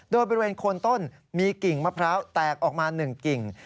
โดยบริเวณโคนต้นมีกิ่งมะพร้าวแตกออกมา๑กิ่ง